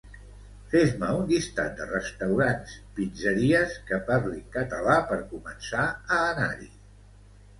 Fes-me un llistat de restaurants pizzeries que parlin català per començar a anar-hi